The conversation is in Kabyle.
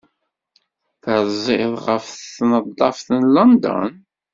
Terziḍ ɣef Tneḍḍaft n London?